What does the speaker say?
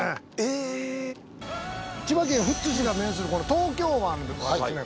千葉県富津市が面するこの東京湾はですね